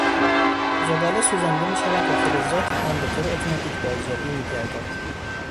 زباله سوزانده میشود و فلزات آن به طور اتوماتیک بازیابی میگردد.